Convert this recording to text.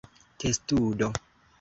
testudo